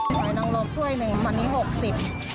น้อยน้องรบช่วยหนึ่งวันนี้๖๐